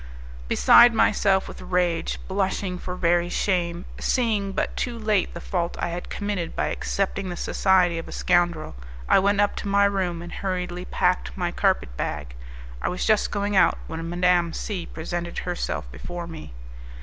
Beside myself with rage, blushing for very shame, seeing but too late the fault I had committed by accepting the society of a scoundrel, I went up to my room, and hurriedly packed up my carpet bag. I was just going out when Madame C presented herself before me.